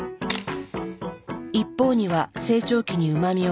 一方には成長期にうま味を与え